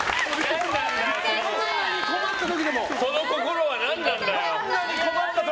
その心は何なんだよ？